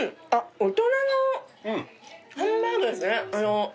大人のハンバーグですね。